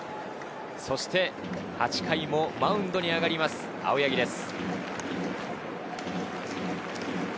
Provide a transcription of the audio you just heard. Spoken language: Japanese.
そして８回もマウンドに上がります、青柳です。